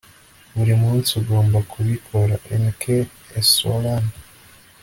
buri munsi ugomba kubikoraho. - eknath easwaran